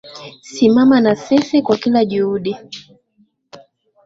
Simama na sisi kwa kila juhudi.